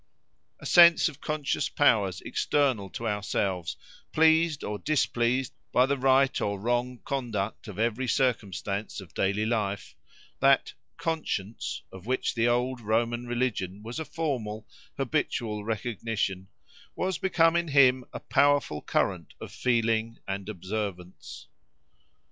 A sense of conscious powers external to ourselves, pleased or displeased by the right or wrong conduct of every circumstance of daily life—that conscience, of which the old Roman religion was a formal, habitual recognition, was become in him a powerful current of feeling and observance.